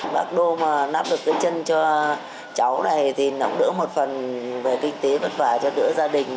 bác đô mà náp được cái chân cho cháu này thì nó cũng đỡ một phần về kinh tế vất vả cho đỡ gia đình